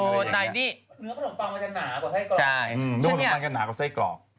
นั่นดิใช่นึงฉันเนี่ยเนื้อขนมปังเขาจะหนากว่าไซ่กรอก